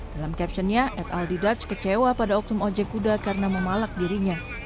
dalam captionnya adaltigach kecewa pada oknum ojekuda karena memalak dirinya